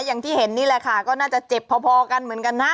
อย่างที่เห็นนี่แหละค่ะก็น่าจะเจ็บพอกันเหมือนกันนะ